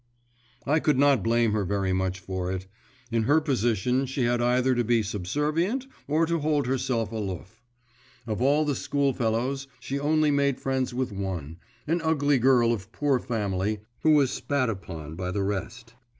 … I could not blame her very much for it; in her position she had either to be subservient, or to hold herself aloof. Of all her school fellows she only made friends with one, an ugly girl of poor family, who was sat upon by the rest.